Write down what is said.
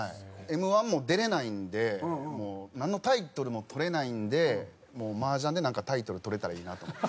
Ｍ−１も出れないんでもうなんのタイトルもとれないんでマージャンでなんかタイトルとれたらいいなと思って。